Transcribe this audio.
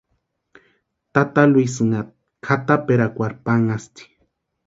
Tata Luisïnha kʼataperakwarhu panhasti.